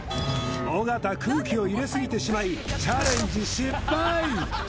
尾形空気を入れすぎてしまいチャレンジ失敗！